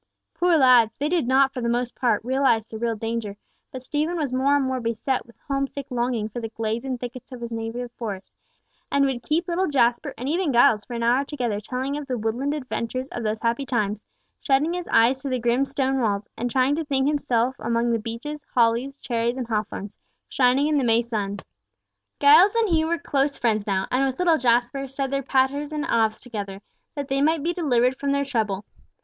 Poor lads, they did not, for the most part, realise their real danger, but Stephen was more and more beset with home sick longing for the glades and thickets of his native forest, and would keep little Jasper and even Giles for an hour together telling of the woodland adventures of those happy times, shutting his eyes to the grim stone walls, and trying to think himself among the beeches, hollies, cherries, and hawthorns, shining in the May sun! Giles and he were chose friends now, and with little Jasper, said their Paters and Aves together, that they might be delivered from their trouble.